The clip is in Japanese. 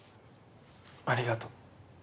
ありがとう。